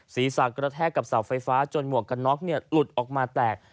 ศีรษะกระแทกกับเสาไฟฟ้าจนหมวกกันน็อกหลุดออกมาแตก